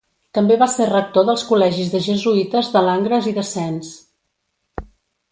També va ser rector dels col·legis de jesuïtes de Langres i de Sens.